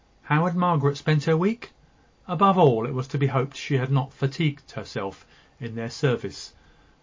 How had Margaret spent her week? Above all, it was to be hoped she had not fatigued herself in their service.